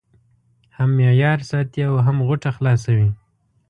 هم معیار ساتي او هم غوټه خلاصوي.